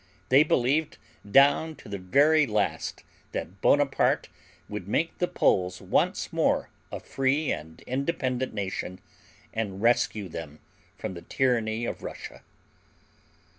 They believed down to the very last that Bonaparte would make the Poles once more a free and independent nation and rescue them from the tyranny of Russia.